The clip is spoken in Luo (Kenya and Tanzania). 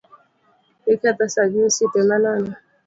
Iketho saa gi osiepe manono